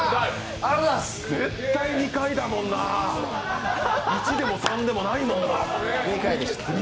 絶対２回だもんな、１でも３でもないもんな。